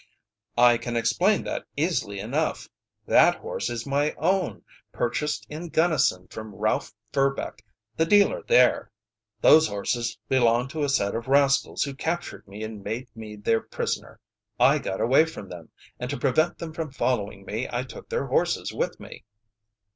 "I can explain that easily enough. That horse is my own, purchased in Gunnison from Ralph Verbeck the dealer there. Those horses belong to a set of rascals who captured me and made me their prisoner. I got away from them, and to prevent them from following me I took their horses with me."